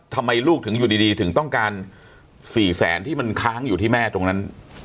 ทำไมลูกถึงอยู่ดีถึงต้องการ๔แสนที่มันค้างอยู่ที่แม่ตรงนั้น